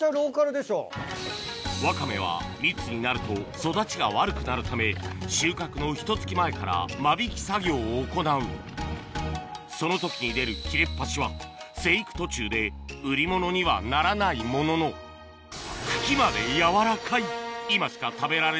わかめは密になると育ちが悪くなるため収穫のひと月前から間引き作業を行うその時に出る切れっ端は生育途中で売り物にはならないものの茎まで柔らかい今しか食べられない